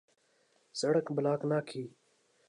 سڑک بلاک نہ کی۔